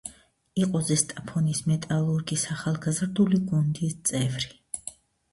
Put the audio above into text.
იყო ზესტაფონის „მეტალურგის“ ახალგაზრდული გუნდის წევრი.